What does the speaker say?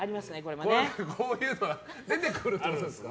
こういうのが出てくるってことですか。